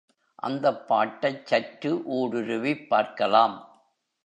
அந்தப் பாட்டைச் சற்று ஊடுருவிப் பார்க்கலாம்.